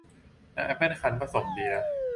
น้ำแอปเปิ้ลคั้น ผสมเบียร์